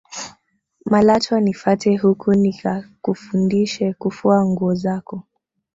malatwa nifate huku nikakufundishe kufua nguo zako